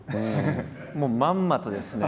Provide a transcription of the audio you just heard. もうまんまとですね